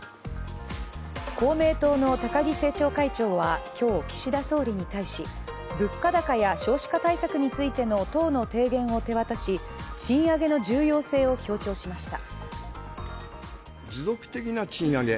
公明党の高木政調会長は今日、岸田総理に対し物価高や少子化対策についての党の提言を手渡し賃上げの重要性を強調しました。